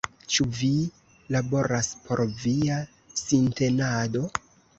Ĉu vi laboras por via sintenado?